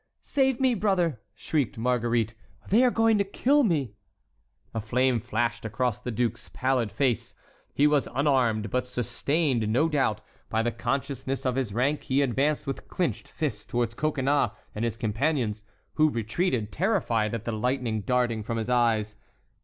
"Save me, brother!" shrieked Marguerite. "They are going to kill me!" A flame flashed across the duke's pallid face. He was unarmed, but sustained, no doubt, by the consciousness of his rank, he advanced with clinched fists toward Coconnas and his companions, who retreated, terrified at the lightning darting from his eyes.